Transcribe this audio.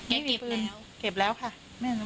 แกเก็บแล้วเก็บแล้วค่ะ